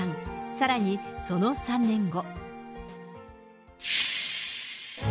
さらに、その３年後。